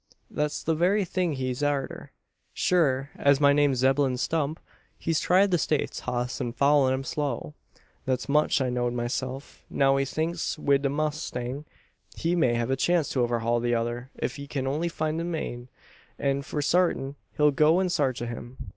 "Thet's the very thing he's arter sure as my name's Zeb'lon Stump. He's tried the States hoss an foun' him slow. Thet much I knowd myself. Now he thinks, wi' the mowstang, he may hev a chance to overhaul the tother, ef he kin only find him agin; an for sartin he'll go in sarch o' him.